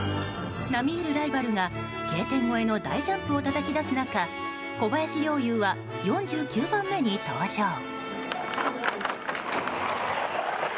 並みいるライバルがＫ点越えの大ジャンプをたたき出す中小林陵侑は４９番目に登場。